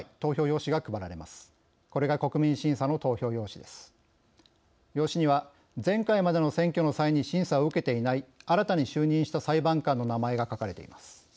用紙には、前回までの選挙の際に審査を受けていない新たに就任した裁判官の名前が書かれています。